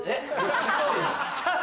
違うよ。